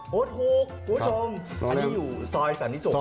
พูดฮุกคุณผู้ชมอันนี้อยู่ซอยสันติสุกเลย